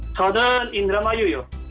mas rudin indramayu